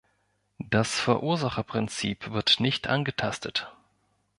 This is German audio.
Das Verursacherprinzip wird nicht angetastet.